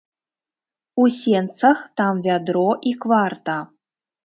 У сенцах там вядро і кварта.